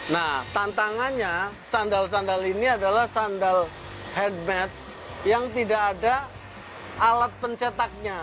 nah tantangannya sandal sandal ini adalah sandal head matte yang tidak ada alat pencetaknya